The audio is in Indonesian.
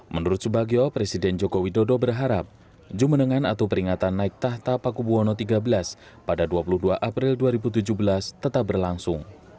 menurut subagyo presiden joko widodo berharap jummenengan atau peringatan naik tahta pakubuwono xiii pada dua puluh dua april dua ribu tujuh belas tetap berlangsung